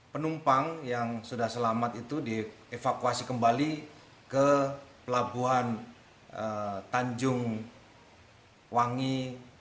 penumpang yang sudah selamat itu dievakuasi kembali ke pelabuhan tanjungwangi jawa timur